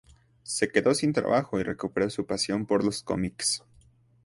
Se quedó sin trabajo y recuperó su pasión por los cómics.